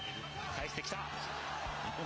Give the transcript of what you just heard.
返してきた。